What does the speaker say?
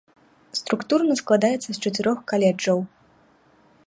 Структурна складаецца з чатырох каледжаў.